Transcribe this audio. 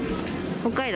北海道？